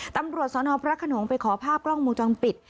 ตำรวจสนพระขนงไปขอภาพกล้องวงจรปิด